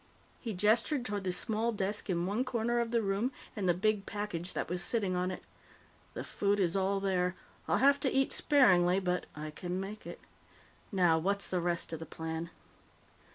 He gestured toward the small desk in one corner of the room and the big package that was sitting on it. "The food is all there. I'll have to eat sparingly, but I can make it. Now, what's the rest of the plan?"